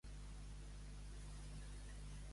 —Què et fa mal? —El cul i la canal.